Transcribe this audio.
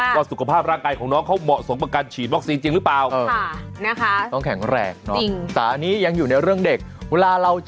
ว่าสุขภาพร่างกายของน้องเขาเหมาะสมกับการฉีดวัคซีนจริงหรือเปล่า